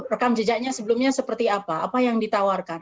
rekam jejaknya sebelumnya seperti apa apa yang ditawarkan